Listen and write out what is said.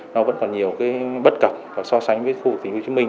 nó vẫn còn nhiều bất cập và so sánh với khu tỉnh hồ chí minh